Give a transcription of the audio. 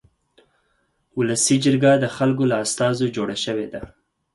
ولسي جرګه د خلکو له استازو جوړه شوې ده.